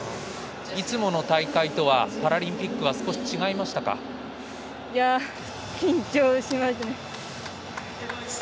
いつもの大会とはパラリンピックは少し違いましたか？